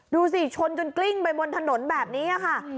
ดูสิชนจนกลิ้งไปบนถนนแบบนี้ค่ะ